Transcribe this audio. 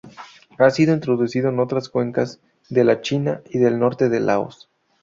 Ha sido introducido en otras cuencas de la China y del norte de Laos.